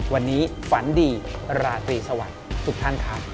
วันนี้ฝันดีราตรีสวัสดีทุกท่านครับ